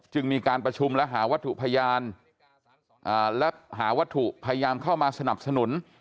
มีการประชุมและหาวัตถุพยานและหาวัตถุพยายามเข้ามาสนับสนุน